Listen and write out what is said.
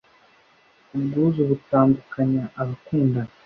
ubwuzu butandukanya abakundana